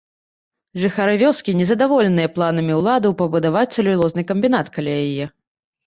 Жыхары вёскі незадаволеныя планамі ўладаў пабудаваць цэлюлозны камбінат каля яе.